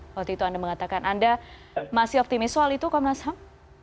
waktu itu anda mengatakan anda masih optimis soal itu komnas ham